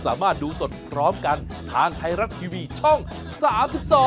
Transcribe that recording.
สวัสดีค่ะ